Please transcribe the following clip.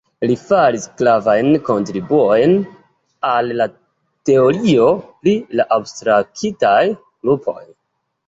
Li faris gravajn kontribuojn al la teorio pri la abstraktaj grupoj.